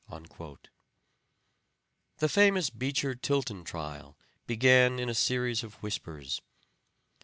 The famous Beecher Tilton trial began in a series of whispers.